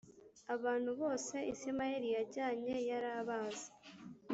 Abantu bose Isimayeli yajyanye yarabazi.